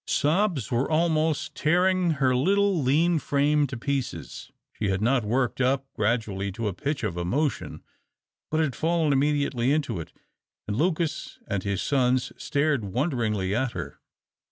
Sobs were almost tearing her little, lean frame to pieces. She had not worked up gradually to a pitch of emotion, but had fallen immediately into it, and Lucas and his sons stared wonderingly at her.